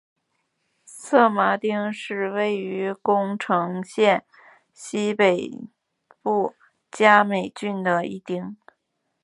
色麻町是位于宫城县西北部加美郡的一町。